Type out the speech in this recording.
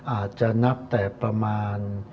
อาจจะนับแต่ประมาณ